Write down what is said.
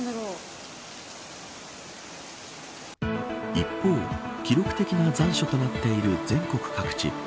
一方、記録的な残暑となっている全国各地。